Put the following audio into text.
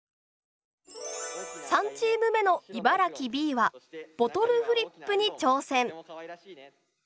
３チーム目の茨城Ｂはボトルフリップに挑戦。